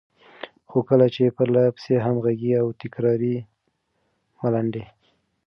خو کله چې پرلهپسې، همغږې او تکراري ملنډې،